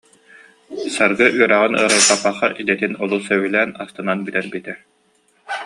Саргы үөрэҕин ыарырҕаппакка, идэтин олус сөбүлээн, астынан бүтэрбитэ